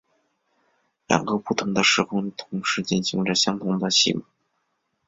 两个不同的时空同时进行着相同的戏码。